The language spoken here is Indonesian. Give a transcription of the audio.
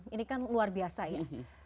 ini kan luar biasa ya